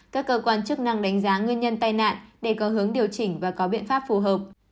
các cơ quan chức năng đánh giá nguyên nhân tai nạn để có hướng điều chỉnh và có biện pháp phù hợp